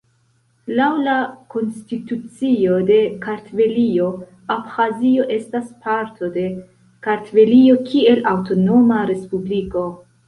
Laŭ la konstitucio de Kartvelio, Abĥazio estas parto de Kartvelio kiel aŭtonoma respubliko.